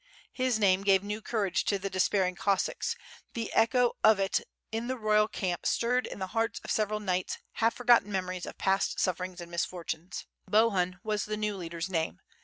His name gave new courage to the despairing Cossacks; the echo of it in the royal camp stirred in the hearts of several knights half forgotten memories of past sufferings and mis fortunes. Bohun was the new leader's name.